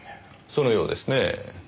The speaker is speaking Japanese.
そのようですねぇ。